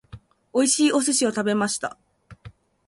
美味しいお寿司を食べました。